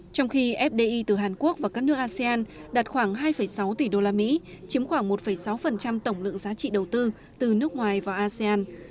trong khi fdi từ hàn quốc và các nước asean đạt khoảng hai sáu tỷ đô la mỹ chiếm khoảng một sáu tổng lượng giá trị đầu tư từ nước ngoài vào asean